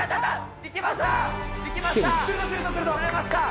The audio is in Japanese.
いけました？